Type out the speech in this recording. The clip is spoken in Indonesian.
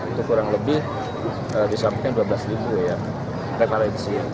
itu kurang lebih disampingkan dua belas ya prevalensi